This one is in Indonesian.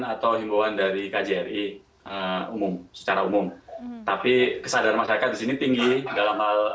atau himbauan dari kjri umum secara umum tapi kesadaran masyarakat di sini tinggi dalam hal